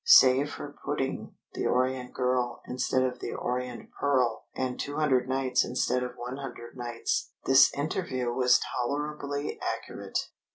Save for putting "The Orient Girl" instead of "The Orient Pearl," and two hundred nights instead of one hundred nights, this interview was tolerably accurate.